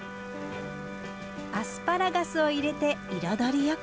アスパラガスを入れて彩りよく。